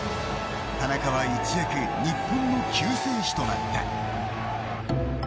田中は一躍日本の救世主となった。